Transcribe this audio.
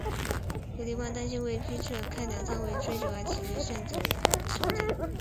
有官吏担心未经批准开粮仓会被追究而提出先上奏朝廷。